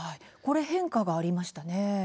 変化がありましたね。